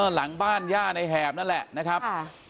หลังบ้านย่าในแหบนั่นแหละนะครับ